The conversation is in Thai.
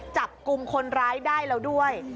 จับกลุ่มคนร้ายได้แล้วด้วย